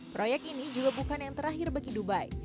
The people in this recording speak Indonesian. proyek ini juga bukan yang terakhir bagi dubai